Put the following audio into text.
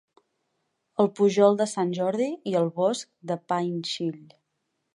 El pujol de Sant Jordi i el bosc de Painshill.